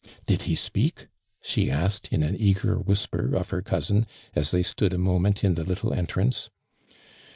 " Did be speak?" she asked, in an eager whisper of her cousin, as they stood a moment in the little entrance.